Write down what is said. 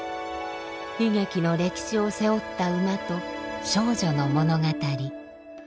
悲劇の歴史を背負った馬と少女の物語。